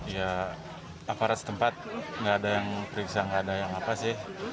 ya aparat setempat nggak ada yang periksa nggak ada yang apa sih